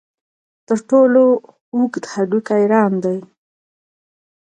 تر ټولو اوږد هډوکی ران دی.